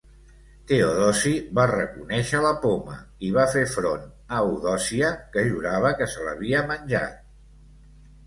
Teodosi va reconèixer la poma i va fer front a Eudòcia, que jurava que se l'havia menjat.